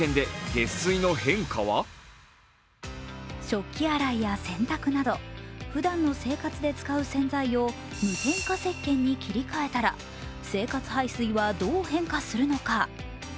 食器洗いや洗濯など、ふだんの生活で使う洗剤を無添加せっけんに切り替えたら生活排水はどう変化するのか。